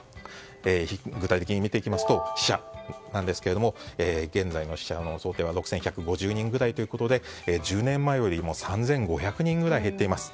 具体的に見ていきますと死者ですが現在の死者の想定は６１５０人ぐらいということで１０年前よりも３５００人ぐらい減っています。